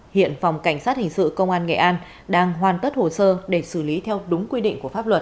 hiện phòng cảnh sát hình sự công an nghệ an đang hoàn tất hồ sơ để xử lý theo đúng quy định của pháp luật